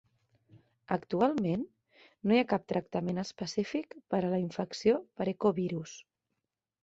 Actualment no hi ha cap tractament específic per a la infecció per ecovirus.